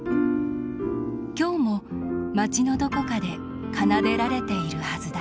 今日も街のどこかで奏でられているはずだ。